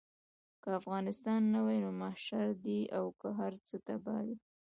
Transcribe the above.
که افغانستان نه وي نو محشر دی او هر څه تباه دي.